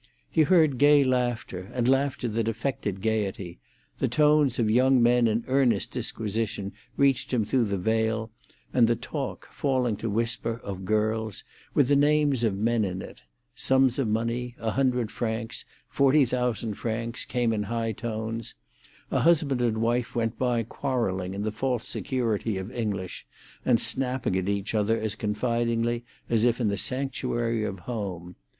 He heard gay laughter, and laughter that affected gaiety; the tones of young men in earnest disquisition reached him through the veil, and the talk, falling to whisper, of girls, with the names of men in it; sums of money, a hundred francs, forty thousand francs, came in high tones; a husband and wife went by quarrelling in the false security of English, and snapping at each other as confidingly as if in the sanctuary of home.